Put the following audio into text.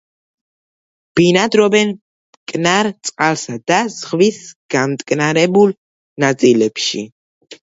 ბინადრობენ მტკნარ წყალსა და ზღვის გამტკნარებულ ნაწილებში.